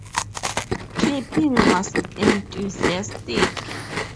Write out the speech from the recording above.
Kipling was enthusiastic.